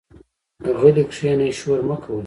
غلي کېنئ، شور مۀ کوئ.